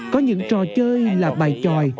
có những trò chơi là bài tròi